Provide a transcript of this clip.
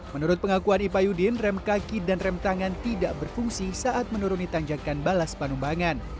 menurut pengakuan ipa yudin rem kaki dan rem tangan tidak berfungsi saat menuruni tanjakan balas panumbangan